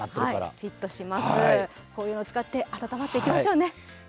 こういうのを使って温まっていきましょうね。